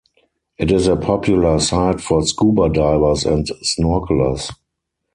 It is a popular site for scuba divers and snorkelers.